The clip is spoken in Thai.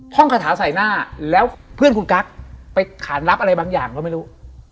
ห้องคาถาใส่หน้าแล้วเพื่อนคุณกั๊กไปขานรับอะไรบางอย่างก็ไม่รู้